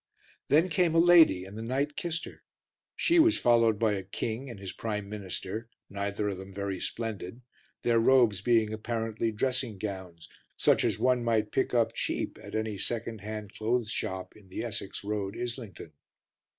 Then came a lady, and the knight kissed her. She was followed by a king and his prime minister, neither of them very splendid, their robes being apparently dressing gowns, such as one might pick up cheap at any second hand clothes shop in the Essex Road, Islington.